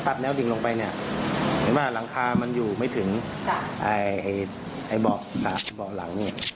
ตัดแนวดิ่งลงไปเนี่ยเห็นป่ะหลังคามันอยู่ไม่ถึงบอกหลังเนี่ย